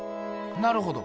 なるほど。